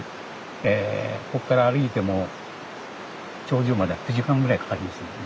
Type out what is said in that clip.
ここから歩いても頂上までは９時間ぐらいかかりますのでね。